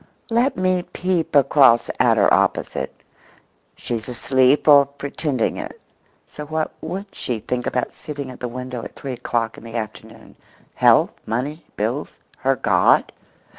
(Let me peep across at her opposite; she's asleep or pretending it; so what would she think about sitting at the window at three o'clock in the afternoon? Health, money, bills, her God?)